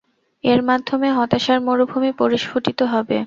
এর মাধ্যমে হতাশার মরুভূমি পরিষ্ফুটিত হবে।